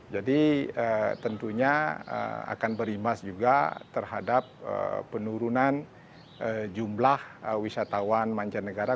jadi tentunya akan berimbas juga terhadap penurunan jumlah wisatawan mancanegara